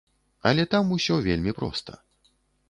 Але там усё вельмі проста.